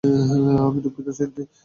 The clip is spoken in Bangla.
আমি দুঃখিত স্যান্ডি।